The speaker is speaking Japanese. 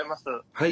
はい。